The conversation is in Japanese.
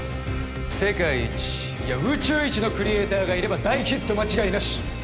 世界一いや宇宙一のクリエイターがいれば大ヒット間違いなし！